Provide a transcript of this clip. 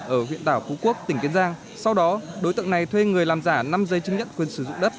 ở huyện đảo phú quốc tỉnh kiên giang sau đó đối tượng này thuê người làm giả năm dây chứng nhận quyền sử dụng đất